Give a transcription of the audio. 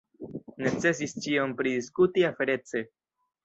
Necesis ĉion pridiskuti aferece.